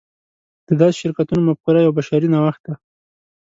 د داسې شرکتونو مفکوره یو بشري نوښت دی.